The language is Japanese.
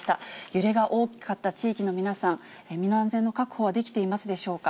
揺れが大きかった地域の皆さん、身の安全の確保はできていますでしょうか。